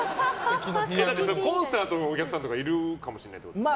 コンサートのお客さんとかいるかもしれないじゃないですか。